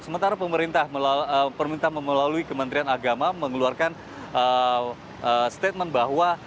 sementara pemerintah melalui kementerian agama mengeluarkan statement bahwa